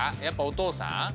やっぱお父さん？